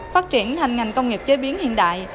phát triển thành ngành công nghiệp chế biến hiện đại